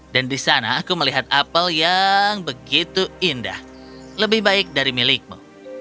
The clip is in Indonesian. dan di sana aku melihat apel yang begitu indah lebih baik dari milikmu